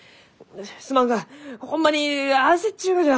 すまんがホンマに焦っちゅうがじゃ！